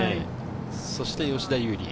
そして吉田優利。